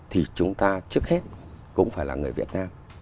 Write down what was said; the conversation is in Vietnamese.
thì chúng ta trước hết cũng phải là người việt nam